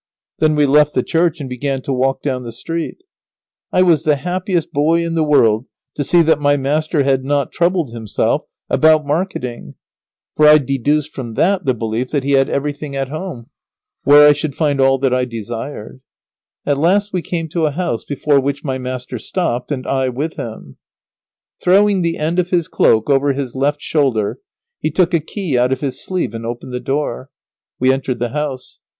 Then we left the church and began to walk down the street. I was the happiest boy in the world to see that my master had not troubled himself about marketing, for I deduced from that the belief that he had everything at home, where I should find all that I desired. At last we came to a house before which my master stopped, and I with him. [Illustration: "I followed him over a great part of the city."] [Sidenote: The esquire takes Lazaro to his house.] Throwing the end of his cloak over his left shoulder, he took a key out of his sleeve and opened the door. We entered the house.